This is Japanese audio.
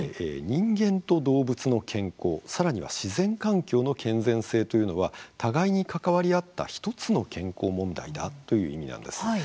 人間と動物の健康、さらには自然環境の健全性というのは互いに関わり合った１つの健康問題だという意味なんです。